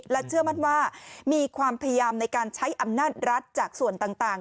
เชื่อมั่นว่ามีความพยายามในการใช้อำนาจรัฐจากส่วนต่าง